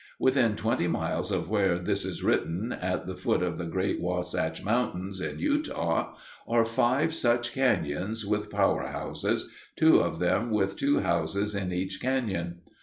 Within twenty miles of where this is written, at the foot of the great Wasatch Mountains, in Utah, are five such cañons with power houses two of them with two houses in each cañon.